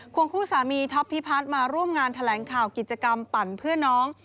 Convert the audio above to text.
วงคู่สามีท็อปพิพัฒน์มาร่วมงานแถลงข่าวกิจกรรมปั่นเพื่อนน้อง